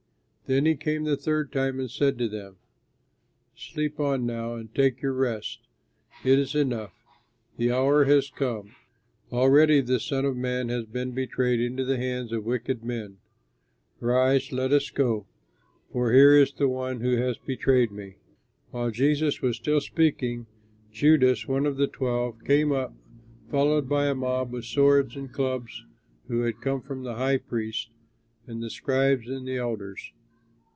Then he came the third time and said to them, "Sleep on now and take your rest. It is enough; the hour has come; already the Son of Man has been betrayed into the hands of wicked men. Rise, let us go; for here is the one who has betrayed me." While Jesus was still speaking, Judas, one of the Twelve, came up, followed by a mob with swords and clubs, who had come from the high priests and the scribes and the elders.